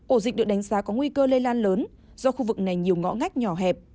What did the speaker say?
ổ dịch được đánh giá có nguy cơ lây lan lớn do khu vực này nhiều ngõ ngách nhỏ hẹp